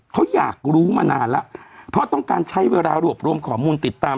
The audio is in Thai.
เขาอยากรู้มานานแล้วเพราะต้องการใช้เวลารวบรวมข้อมูลติดตาม